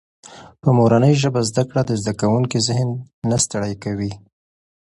په مورنۍ ژبه زده کړه د زده کوونکي ذهن نه ستړی کوي.